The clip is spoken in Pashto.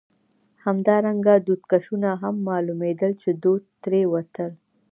همدارنګه دودکشونه هم معلومېدل، چې دود ترې وتل.